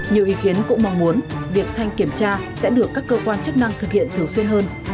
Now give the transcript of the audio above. nhiều ý kiến cũng mong muốn việc thanh kiểm tra sẽ được các cơ quan chức năng thực hiện thường xuyên hơn